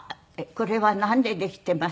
「これはなんでできていますか？」